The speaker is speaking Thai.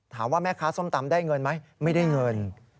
ถามว่าแม่ค้าส้มตำได้เงินไหมไม่ได้เงิน